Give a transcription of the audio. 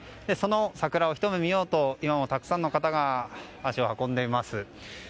その桜をひと目見ようと今もたくさんの方が足を運んでいます。